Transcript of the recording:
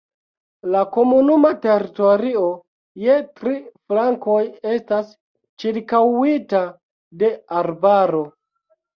La komunuma teritorio je tri flankoj estas ĉirkaŭita de arbaro.